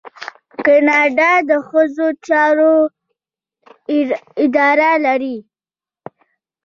کاناډا د ښځو چارو اداره لري.